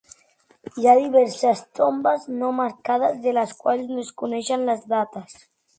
Hi ha diverses tombes no marcades de les quals no es coneixen les dates.